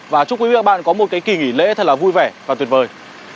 và chúc quý vị và bạn có một cái kỳ nghỉ lễ thật là vui vẻ và tuyệt vời